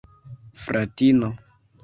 fratino